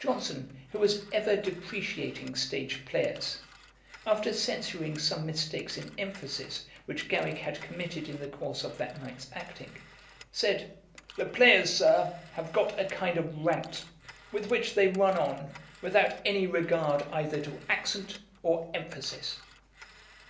Johnson, who was ever depreciating stage players, after censuring some mistakes in emphasis which Garrick had committed in the course of that night's acting, said, 'the players, Sir, have got a kind of rant, with which they run on, without any regard either to accent or emphasis.'